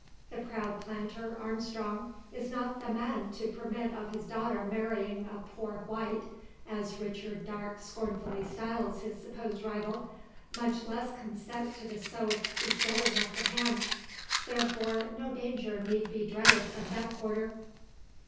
The proud planter, Armstrong, is not the man to permit of his daughter marrying a "poor white" as Richard Darke scornfully styles his supposed rival much less consent to the so bestowing of her hand. Therefore no danger need be dreaded from that quarter.